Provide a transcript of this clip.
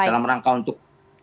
dalam rangka untuk